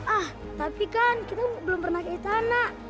ah tapi kan kita belum pernah ke istana